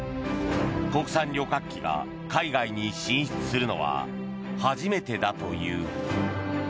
国産旅客機が海外に進出するのは初めてだという。